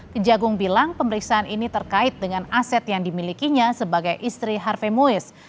kejaksaan agung bilang pemeriksaan ini terkait dengan aset yang dimilikinya sebagai istri harvey moise